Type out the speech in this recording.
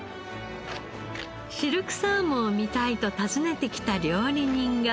シルクサーモンを見たいと訪ねてきた料理人が。